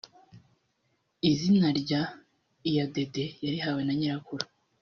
Iri zina rya Iyadede yarihawe na nyirakuru